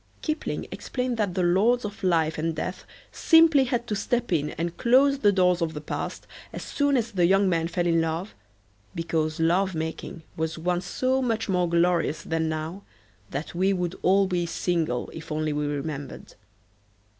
Kipling explained that the lords of life and death simply had to step in and close the doors of the past as soon as the young man fell in love because love making was once so much more glorious than now that we would all be single if only we remembered.